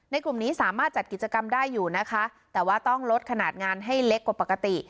กลุ่มนี้สามารถจัดกิจกรรมได้อยู่นะคะแต่ว่าต้องลดขนาดงานให้เล็กกว่าปกติ